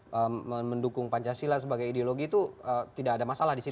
persoalan yang soal mendukung pancasila sebagai ideologi itu tidak ada masalah di situ ya